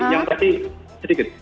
yang tadi sedikit